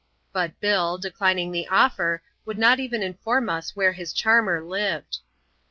But Bill, declining the offer, would not even inform us where his charmer lived.